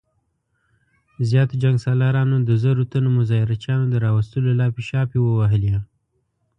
زياتو جنګ سالارانو د زرو تنو مظاهره چيانو د راوستلو لاپې شاپې ووهلې.